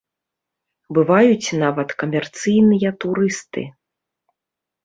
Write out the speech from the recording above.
Бываюць нават камерцыйныя турысты.